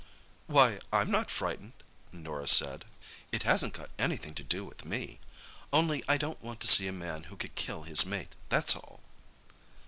"Why, I'm not frightened," Norah said. "It hasn't got anything to do with me. Only I don't want to see a man who could kill his mate, that's all."